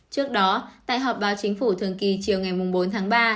trước đó tại họp báo chính phủ thường kỳ chiều ngày bốn tháng ba